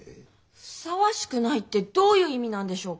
ふさわしくないってどういう意味なんでしょうか。